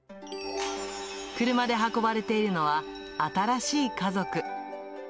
車で運ばれているのは、新しい家族。